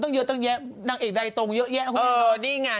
น้องเขาตอบคำถามนักข่าวอยู่แล้วคุณแม่